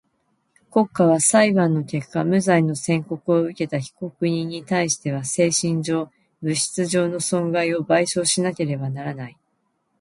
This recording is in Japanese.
国家は裁判の結果無罪の宣告をうけた被告人にたいしては精神上、物質上の損害を賠償しなければならない。